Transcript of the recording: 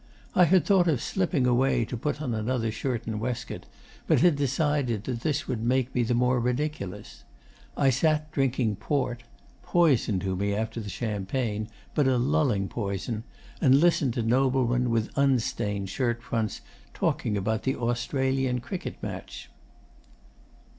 I had thought of slipping away to put on another shirt and waistcoat, but had decided that this would make me the more ridiculous. I sat drinking port poison to me after champagne, but a lulling poison and listened to noblemen with unstained shirtfronts talking about the Australian cricket match....